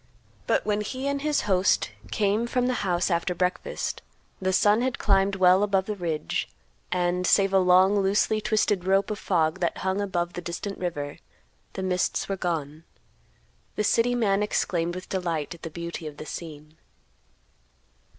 But when he and his host came from the house after breakfast, the sun had climbed well above the ridge, and, save a long, loosely twisted rope of fog that hung above the distant river, the mists were gone. The city man exclaimed with delight at the beauty of the scene.